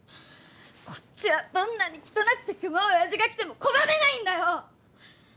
こっちはどんなに汚くてキモいオヤジが来ても拒めないんだよ！